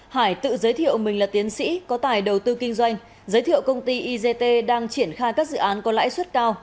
hải tự giới thiệu mình là tiến sĩ có tài đầu tư kinh doanh giới thiệu công ty igt đang triển khai các dự án có lãi suất cao